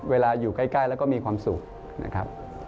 อยู่ใกล้แล้วก็มีความสุขนะครับ